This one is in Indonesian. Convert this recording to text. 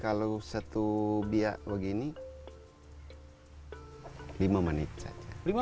kalau satu biak begini lima menit saja